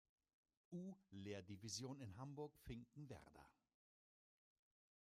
U-Lehrdivision in Hamburg-Finkenwerder.